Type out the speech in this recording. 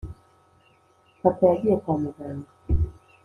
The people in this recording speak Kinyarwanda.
papa yagiye kwa muganga